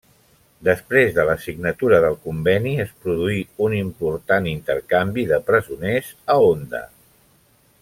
Després de la signatura del conveni es produí un important intercanvi de presoners a Onda.